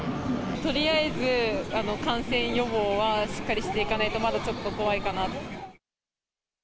とりあえず、感染予防はしっかりしていかないとまだちょっと怖いかな。